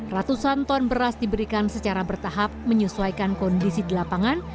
ratusan ton beras diberikan secara bertahap menyesuaikan kondisi di lapangan